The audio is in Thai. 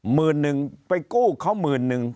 มื้อนึงไปกู้เขามื้อนึง